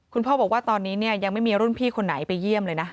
คุณพ่อบอกว่าตอนนี้เนี่ยยังไม่มีรุ่นพี่คนไหนไปเยี่ยมเลยนะ